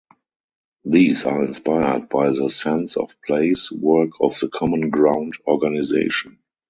These are inspired by the "sense of place" work of the Common Ground organisation.